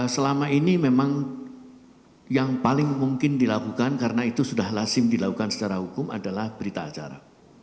selama ini memang yang paling mungkin dilakukan karena itu sudah lazim dilakukan secara hukum adalah berita acara